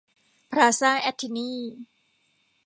พลาซ่าแอทธินี